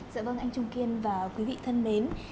dạ vâng anh trung kiên và quý vị thân mến